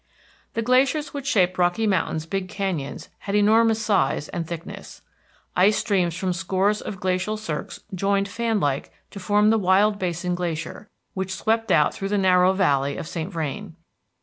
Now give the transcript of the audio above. The glaciers which shaped Rocky Mountain's big canyons had enormous size and thickness. Ice streams from scores of glacial cirques joined fan like to form the Wild Basin Glacier, which swept out through the narrow valley of St. Vrain.